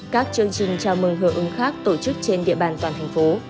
các chương trình chào mừng hưởng ứng khác tổ chức trên địa bàn toàn thành phố